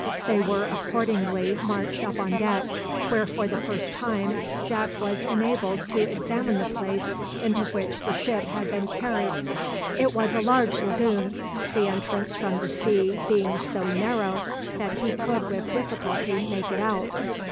They were accordingly marched up on deck, where for the first time Jack was enabled to examine the place into which the ship had been carried. It was a large lagoon, the entrance from the sea being so narrow that he could with difficulty make it out.